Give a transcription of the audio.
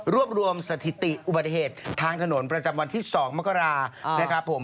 รวบรวมสถิติอุบัติเหตุทางถนนประจำวันที่๒มกรานะครับผม